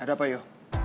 ada apa yuk